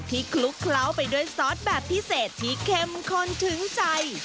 คลุกเคล้าไปด้วยซอสแบบพิเศษที่เข้มข้นถึงใจ